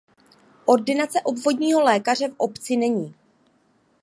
Ordinace obvodního lékaře v obci není.